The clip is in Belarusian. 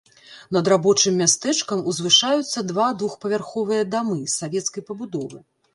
Над рабочым мястэчкам узвышаюцца два двухпавярховыя дамы савецкай пабудовы.